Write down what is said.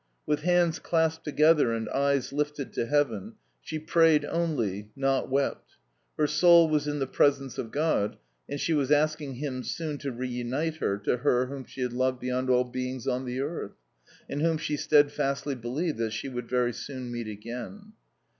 With hands clasped together and eyes lifted to heaven, she prayed only not wept. Her soul was in the presence of God, and she was asking Him soon to reunite her to her whom she had loved beyond all beings on this earth, and whom she steadfastly believed that she would very soon meet again.